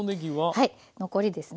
はい残りですね。